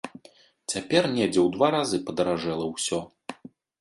Цяпер недзе ў два разы падаражэла ўсё.